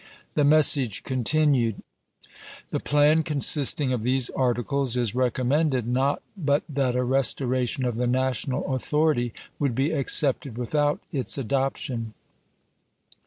The message continued : The plan consisting of these articles is recommended, not but that a restoration of the national authority would be accepted without its adoption.